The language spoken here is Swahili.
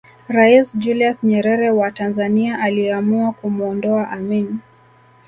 Rais Julius Nyerere wa Tanzania aliamua kumwondoa Amin